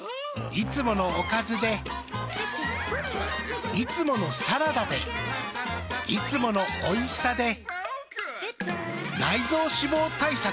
いつものおかずでいつものサラダでいつものおいしさで内臓脂肪対策。